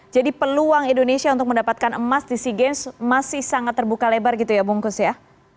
jadi peluang indonesia untuk mendapatkan emas di sea games masih sangat terbuka lebar gitu ya bung kus ya